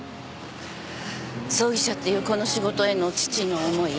葬儀社っていうこの仕事への父の思い。